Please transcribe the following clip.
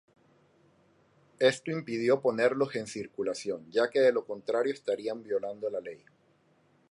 Esto impidió ponerlos en circulación ya que de lo contrario estarían violando la ley.